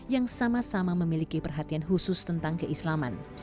yang sama sama memiliki perhatian khusus tentang keislaman